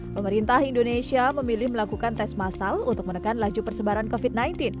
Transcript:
pemerintah indonesia memilih melakukan tes masal untuk menekan laju persebaran covid sembilan belas